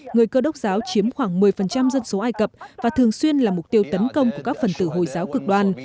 người cơ đốc giáo chiếm khoảng một mươi dân số ai cập và thường xuyên là mục tiêu tấn công của các phần tử hồi giáo cực đoan